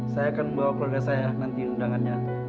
saya akan membawa keluarga saya nanti undangannya